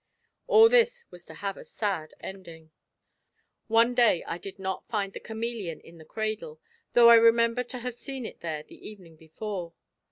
All this was to have a sad ending. One day I did not find the chameleon in the cradle, though I remembered to have seen it there the evening before.